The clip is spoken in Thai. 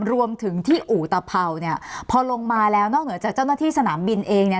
รวมถึงที่อุตภัวเนี่ยพอลงมาแล้วนอกเหนือจากเจ้าหน้าที่สนามบินเองเนี่ย